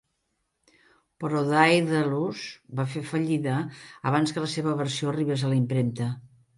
Però Daedalus va fer fallida abans que la seva versió arribés a la impremta.